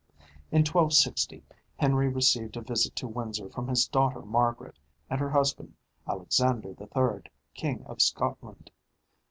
In 1260 Henry received a visit to Windsor from his daughter Margaret, and her husband, Alexander the Third, King of Scotland.